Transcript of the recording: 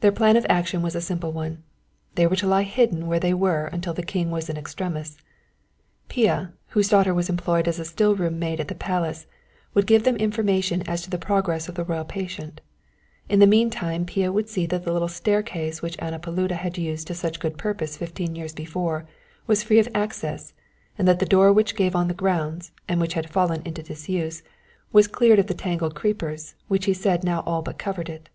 Their plan of action was a simple one. They were to lie hidden where they were until the king was in extremis. Pia, whose daughter was employed as a still room maid at the Palace, would give them information as to the progress of the royal patient. In the mean time Pia would see that the little staircase which Anna Paluda had used to such good purpose fifteen years before, was free of access, and that the door which gave on to the grounds, and which had fallen into disuse, was cleared of the tangled creepers which he said now all but covered it.